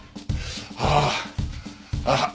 ああ。